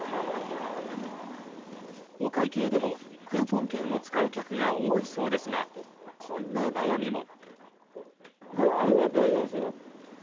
お会計でもクーポン券を使う客が多いそうですがこんな悩みも。